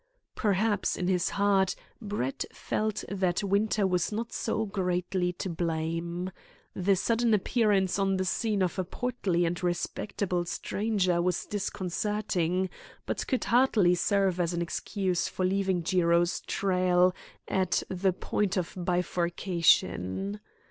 Perhaps, in his heart, Brett felt that Winter was not so greatly to blame. The sudden appearance on the scene of a portly and respectable stranger was disconcerting, but could hardly serve as an excuse for leaving Jiro's trail at the point of bifurcation.